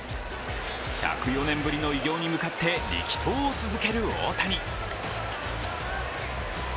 １０４年ぶりの偉業に向かって力投を続ける大谷。